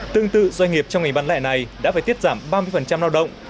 tương tự doanh nghiệp trong ngành bán lẻ này đã phải tiết giảm ba mươi lao động